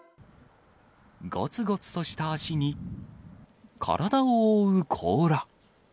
ごつごつとした足に、体を覆う甲羅。